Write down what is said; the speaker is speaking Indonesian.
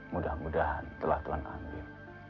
mudah mudahan telah tuhan ambil